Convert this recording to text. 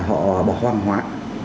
họ bỏ hoang hoãn